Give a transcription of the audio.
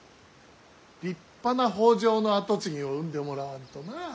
立派な北条の跡継ぎを産んでもらわんとな。